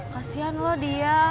kasian lo dia